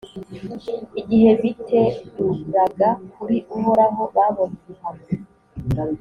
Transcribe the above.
igihe biteruraga kuri uhoraho babonye ibihano.